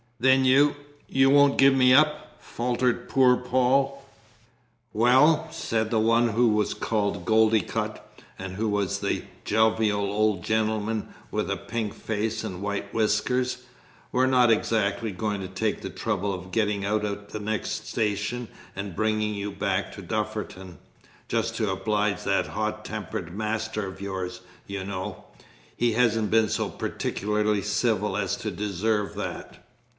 "Then you you won't give me up?" faltered poor Paul. "Well," said the one who was called Goldicutt, and who was a jovial old gentleman with a pink face and white whiskers, "we're not exactly going to take the trouble of getting out at the next station, and bringing you back to Dufferton, just to oblige that hot tempered master of yours, you know; he hasn't been so particularly civil as to deserve that."